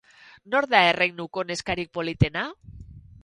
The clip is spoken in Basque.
Nor da erreinuko neskarik politena?